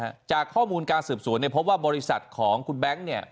จากข้อมูลการสืบสวนเนี่ยพบว่าบริษัทของคุณแบงค์เนี่ย